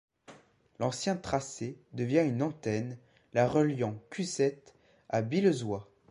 L'ancien tracé devient une antenne, la reliant Cusset à Billezois.